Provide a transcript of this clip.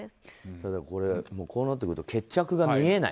ただ、こうなってくると決着が見えない。